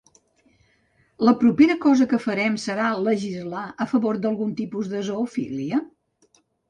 La propera cosa que farem serà legislar a favor d'algun tipus de zoofília?